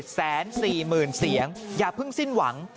แสนสี่หมื่นเสียงอย่าเพิ่งสิ้นหวัง